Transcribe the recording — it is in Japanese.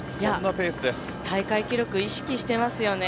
大会記録、意識してますよね。